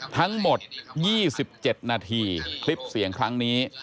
ทั้งหมด๒๗นาทีคลิปเสียงครั้งนี้